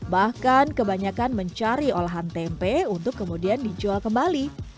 bahkan kebanyakan mencari olahan tempe untuk kemudian dijual kembali